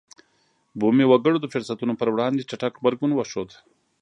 بومي وګړو د فرصتونو پر وړاندې چټک غبرګون وښود.